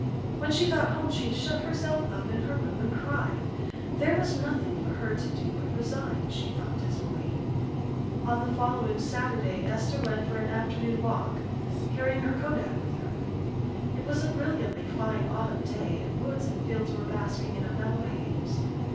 When she got home she shut herself up in her room and cried. There was nothing for her to do but resign, she thought dismally. On the following Saturday Esther went for an afternoon walk, carrying her kodak with her. It was a brilliantly fine autumn day, and woods and fields were basking in a mellow haze.